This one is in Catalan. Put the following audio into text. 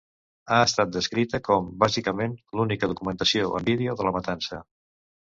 Ha estat descrita com "bàsicament l'única documentació en vídeo de la matança".